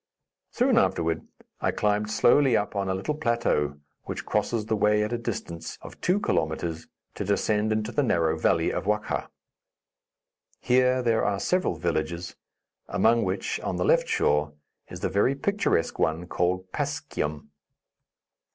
Soon afterward I climbed slowly up on a little plateau, which crosses the way at a distance of two kilometres, to descend into the narrow valley of Wakkha. Here there are several villages, among which, on the left shore, is the very picturesque one called Paskium.